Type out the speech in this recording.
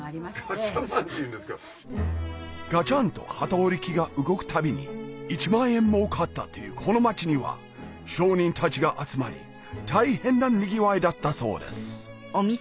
ガチャンとはた織り機が動くたびに１万円もうかったというこの町には商人たちが集まり大変なにぎわいだったそうです